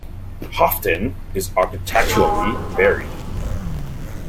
Houghton is architecturally varied.